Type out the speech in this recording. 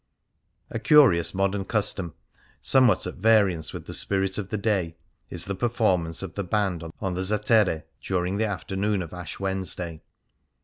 A curious modern custom, somewhat at variance with the spirit of the day, is the per formance of the band on the Zattere during the afternoon of Ash Wednesday.